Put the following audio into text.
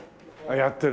やってる？